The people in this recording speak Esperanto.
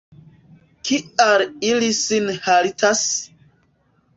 Kial ili sin haltas?